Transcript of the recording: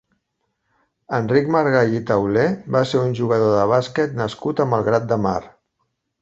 Enric Margall i Tauler va ser un jugador de bàsquet nascut a Malgrat de Mar.